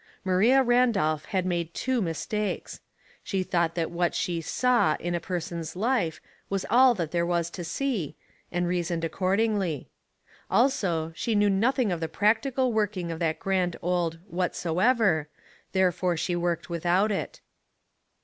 Maria Randolph had made two mis takes. She tiiought that what she saw in a per son's life was all that there was to see, and rea soned accordingly ; also she knew nothing of the practical working of that grand old "whatsoev er," therefore she worked without it.